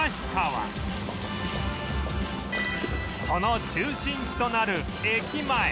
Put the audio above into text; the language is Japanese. その中心地となる駅前